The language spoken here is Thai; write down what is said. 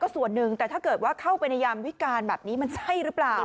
ส่วนหนึ่งแต่ถ้าเกิดว่าเข้าไปในยามวิการแบบนี้มันใช่หรือเปล่า